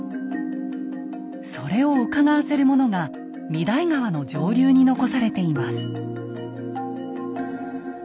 それをうかがわせるものが御勅使川の上流に残されています。